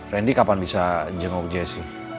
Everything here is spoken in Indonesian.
randy kapan bisa jengok jessi